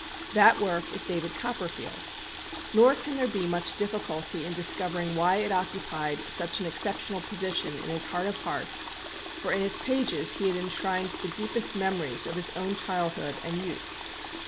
That work is "David Copperfield." Nor can there be much difficulty in discovering why it occupied such an exceptional position in "his heart of hearts;" for in its pages he had enshrined the deepest memories of his own childhood and youth.